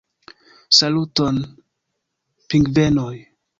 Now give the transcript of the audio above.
Saluton, pingvenoj!!